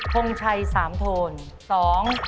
ทงชัยสามโทน